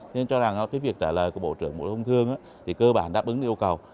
nên cho rằng cái việc trả lời của bộ trưởng bộ công thương thì cơ bản đáp ứng yêu cầu